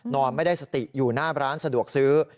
นอนไม่ได้สติอยู่หน้าร้านสะดวกซื้อ